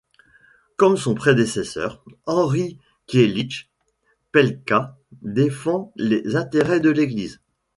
Comme son prédécesseur Henri Kietlicz, Pełka défend les intérêts de l'Église.